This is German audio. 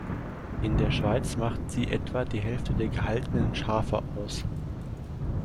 In der Schweiz macht sie etwa die Hälfte der gehaltenen Schafe aus.